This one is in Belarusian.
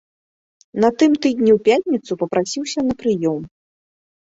На тым тыдні ў пятніцу папрасіўся на прыём.